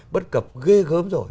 bất cập ghê gớm rồi